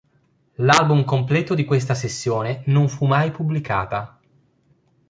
L'album completo di questa sessione non fu mai pubblicata.